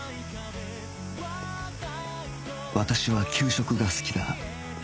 私は給食が好きだ